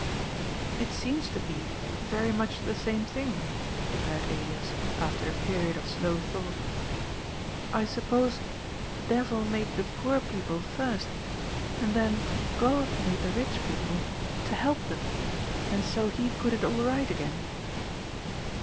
" It seems to be very much the same thing," declared Elias, after a period of slow thought. " I suppose, the devil made the poor people first, and then God made the rich people to help them, and so he put it all right again